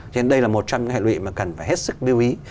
cho nên đây là một trong những hệ lụy mà cần phải hết sức lưu ý